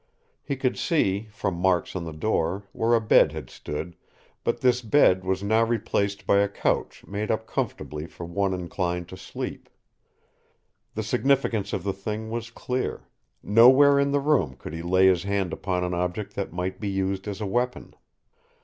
He could see, from marks on the floor, where a bed had stood, but this bed was now replaced by a couch made up comfortably for one inclined to sleep. The significance of the thing was clear nowhere in the room could he lay his hand upon an object that might be used as a weapon!